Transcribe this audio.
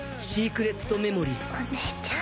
お姉ちゃん。